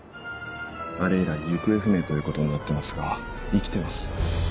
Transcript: あれ以来行方不明ということになっていますが生きてます。